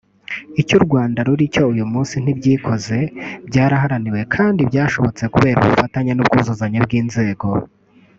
Icyo U Rwanda ruri cyo uyu munsi ntibyikoze; byaraharaniwe; kandi byashobotse kubera ubufatanye n’ubwuzuzanye bw’inzego